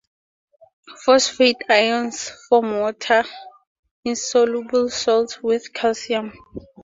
Phosphate ions form water-insoluble salts with calcium.